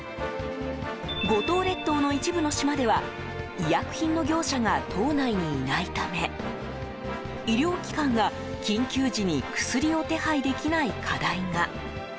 五島列島の一部の島では医薬品の業者が島内にいないため医療機関が緊急時に薬を手配できない課題が。